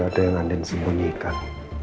tidak ada yang andin sembunyikan